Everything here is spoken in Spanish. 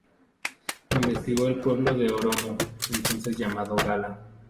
Investigó el pueblo de Oromo, entonces llamado Gala.